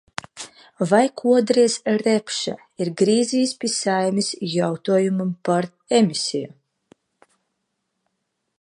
Vai kādreiz Repše ir griezies pie Saeimas jautājumā par emisiju?